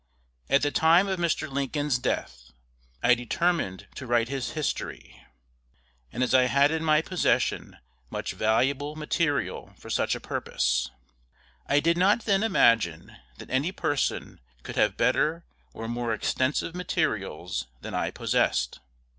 At the time of Mr. Lincoln's death, I determined to write his history, as I had in my possession much valuable material for such a purpose. I did not then imagine that any person could have better or more extensive materials than I possessed.